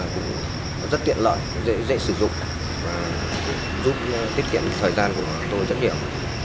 cũng rất tiện lợi dễ sử dụng và giúp tiết kiệm thời gian của tôi rất nhiều